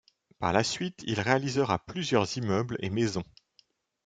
Par la suite, il réalisera plusieurs immeubles et maisons.